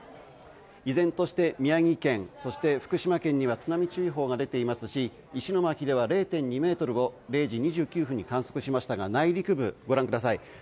依然として宮城県、福島県に津波注意報が出ていますし石巻では０．２ｍを０時２９分に観測しましたが内陸部をご覧ください。